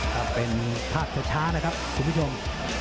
ครับเป็นภาพช้านะครับคุณผู้ชม